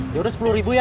yaudah sepuluh ribu ya